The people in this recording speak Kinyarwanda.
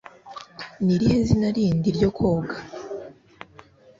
Ni irihe zina rindi ryo koga?